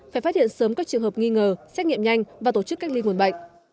phải phát hiện sớm các trường hợp nghi ngờ xét nghiệm nhanh và tổ chức cách ly nguồn bệnh